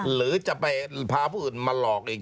หรือจะไปพาผู้อื่นมาหลอกอีก